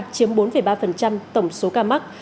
chiếm bốn ba tổng số ca mắc